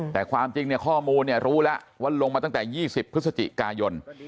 แต่ความจริงข้อมูลเนี่ยรู้แล้วว่าลงมาตั้งแต่๒๐พฤศจิกายน